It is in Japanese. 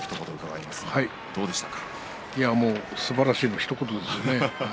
いやもうすばらしいのひと言ですね